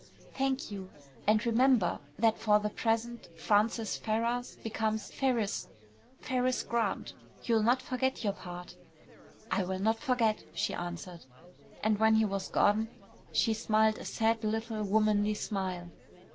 "Thank you. And remember, that for the present Francis Ferrars becomes Ferriss, Ferriss Grant. You'll not forget your part!" "I will not forget," she answered. And when he was gone she smiled a sad little womanly smile.